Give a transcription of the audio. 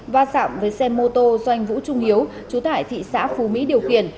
va sạm với xe mô tô doanh vũ trung hiếu trú tại thị xã phú mỹ điều khiển